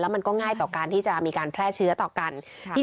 มันก็ง่ายต่อการที่จะมีการแพร่เชื้อต่อกัน